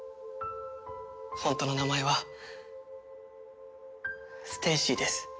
本当の名前はステイシーです。